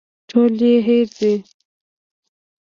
ټول يې هېر دي.